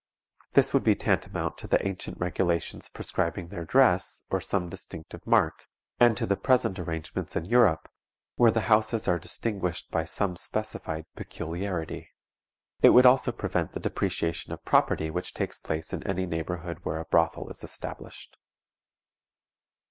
This would be tantamount to the ancient regulations prescribing their dress or some distinctive mark; and to the present arrangements in Europe, where the houses are distinguished by some specified peculiarity. It would also prevent the depreciation of property which takes place in any neighborhood where a brothel is established.